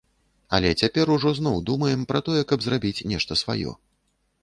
Але цяпер ужо зноў думаем пра тое, каб зрабіць нешта сваё.